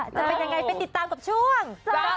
จะเป็นยังไงไปติดตามกับช่วง